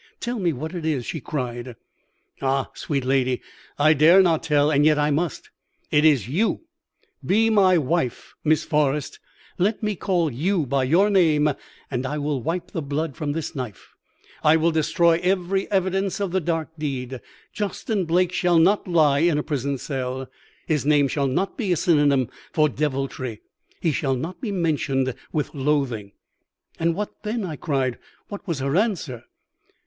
"'Tell me what it is,' she cried. "'Ah, sweet lady, I dare not tell; and yet I must. It is you. Be my wife, Miss Forrest; let me call you by your name, and I will wipe the blood from this knife, I will destroy every evidence of the dark deed. Justin Blake shall not lie in a prison cell; his name shall not be a synonym for devilry; he shall not be mentioned with loathing.'" "And what then?" I cried. "What was her answer?"